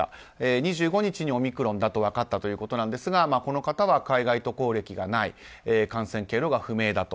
２５日にオミクロンだと分かったということですがこの方は海外渡航歴がない感染経路が不明だと。